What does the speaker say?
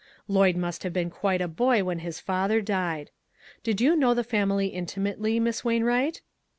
Lloyd must have been quite a boy when his father died. Did you know the family intimately, Miss Wain wright?"